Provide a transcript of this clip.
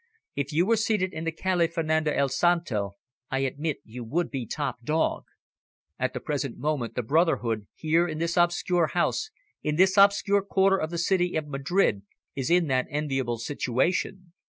If you were seated in the Calle Fernando el Santo, I admit you would be top dog. At the present moment the brotherhood, here in this obscure house, in this obscure quarter of the city of Madrid, is in that enviable situation."